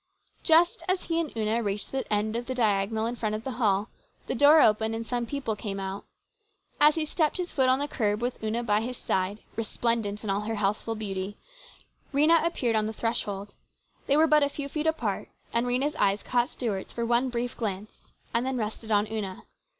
Just as he and Una reached the end of the diagonal in front of the hall, the door opened and some people came out. And as he stepped his foot on the curb with Una by his side, resplendent in all her healthful beauty, Rhena appeared on the threshold. They were but a few feet apart, and Rhena's eyes caught Stuart's for one brief glance and then rested on Una.